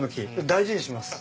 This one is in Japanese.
大事にします。